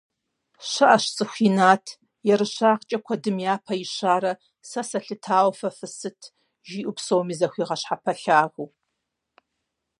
Щыӏэщ цӏыху инат, ерыщагъкӏэ куэдым япэ ищарэ, сэ сэлъытауэ фэ фысыт, жиӏэу псоми захуигъэщхьэпэлъагэу.